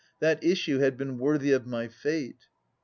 That issue had been worthy of my fate